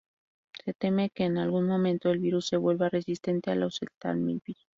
Se teme que en algún momento el virus se vuelva resistente al oseltamivir.